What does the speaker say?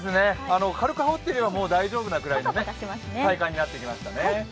軽く羽織っていれば大丈夫なくらいの体感になってきましたね。